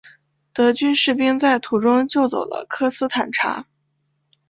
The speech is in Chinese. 德军士兵在途中救走了科斯坦察。